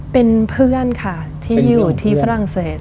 เป็นเพื่อนค่ะที่อยู่ที่ฝรั่งเศส